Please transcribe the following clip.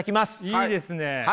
いいですね。